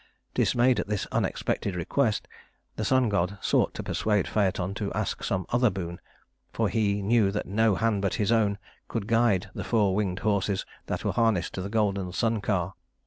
Dismayed at this unexpected request, the sun god sought to persuade Phaëton to ask some other boon, for he knew that no hand but his own could guide the four winged horses that were harnessed to the golden sun car.